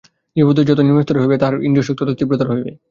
জীবদেহ যতই নিম্নস্তরের হইবে, তাহার ইন্দ্রিয়সুখ ততই তীব্রতর হইবে।